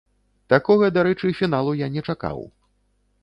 Такога дарэчы фіналу я не чакаў.